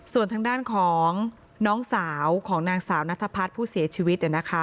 ส่วนทางด้านของน้องสาวของนางสาวนัทพัฒน์ผู้เสียชีวิต